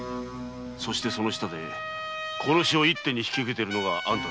そしてその下で殺しを一手に引き受けているのがあんただ。